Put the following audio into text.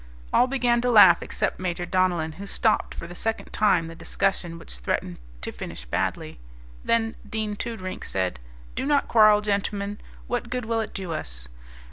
All began to laugh except Major Donellan, who stopped for the second time the discussion which threatened to finish badly. Then Dean Toodrink said, "Do not quarrel, gentlemen. What good will it do us?